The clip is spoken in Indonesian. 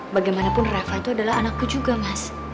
bagaimanapun rafa itu adalah anakku juga mas